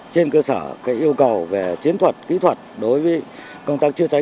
trên cơ sở yêu cầu về chiến thuật kỹ thuật đối với công tác chữa cháy